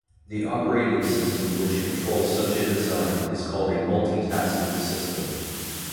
The operating system which controls such a design is called a multi-tasking system.